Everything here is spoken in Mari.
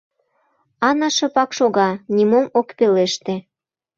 Ана шыпак шога, нимом ок пелеште.